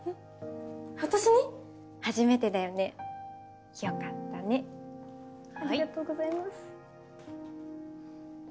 初めてだよねよかったねはいありがとうございます